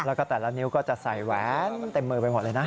แล้วก็แต่ละนิ้วก็จะใส่แหวนมันเต็มมือไปหมดเลยนะ